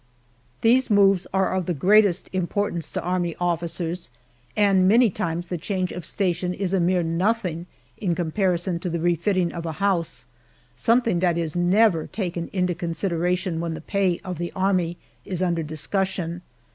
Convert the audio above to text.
These moves are of the greatest importance to army officers, and many times the change of station is a mere nothing in comparison to the refitting of a house, something that is never taken into consideration when the pay of the Army is under discussion.